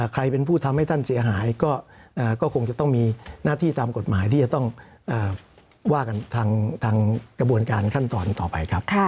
ใครเป็นผู้ทำให้ท่านเสียหายก็คงจะต้องมีหน้าที่ตามกฎหมายที่จะต้องว่ากันทางกระบวนการขั้นตอนต่อไปครับ